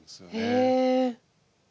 へえ。